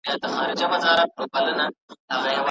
نمځنه د درناوي په مانا کارول کېږي.